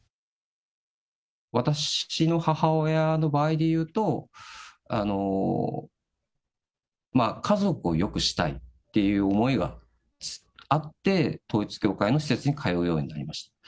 私の母親の場合で言うと、家族をよくしたいっていう思いがあって、統一教会の施設に通うようになりました。